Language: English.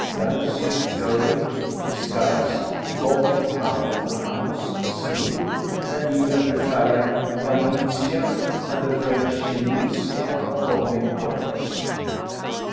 gamCy clothing, disguise ; the Gothic ham or hams, skin ; and even the Italian camicia, and the French chemise, are cognate words.